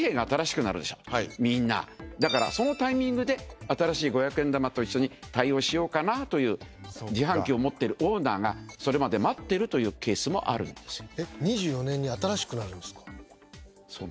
だからそのタイミングで新しい５００円玉と一緒に対応しようかなという自販機を持ってるオーナーがそれまで待ってるというケースもあるんですよ。